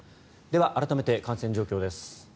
では改めて感染状況です。